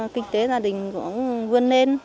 kinh tế gia đình cũng vươn lên